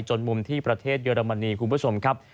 มุมที่ประเทศเยอรมนีคุณผู้ชมครับ